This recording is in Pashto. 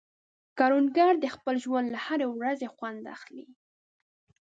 کروندګر د خپل ژوند له هرې ورځې خوند اخلي